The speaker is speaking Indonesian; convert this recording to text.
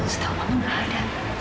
setahu kamu nggak ada